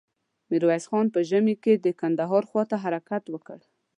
ميرويس خان په ژمې کې د کندهار خواته حرکت وکړ.